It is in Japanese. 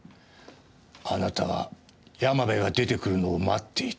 あなたは山部が出てくるのを待っていた。